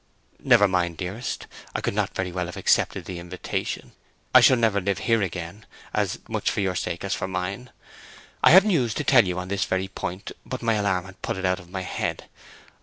"Never mind, dearest. I could not very well have accepted the invitation. I shall never live here again—as much for your sake as for mine. I have news to tell you on this very point, but my alarm had put it out of my head.